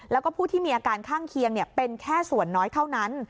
แล้วก็ผู้ที่มีอาการข้างเคียงเป็นแค่ส่วนน้อยเท่านั้น